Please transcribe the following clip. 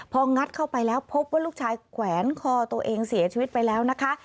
พองัดเข้าไปแล้วพบว่าลูกชายแขวนคอตัวเองเสียชีวิตไปแล้วนะคะ